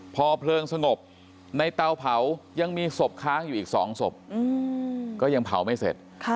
พอเพลิงสงบในเตาเผายังมีศพค้างอยู่อีก๒ศพก็ยังเผาไม่เสร็จ